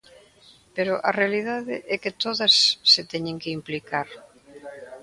Pero a realidade é que todas se teñen que implicar.